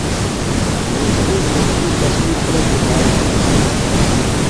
زِستیۡ زِستیۡ تسی کھیچیۡ حال بِھلیۡ۔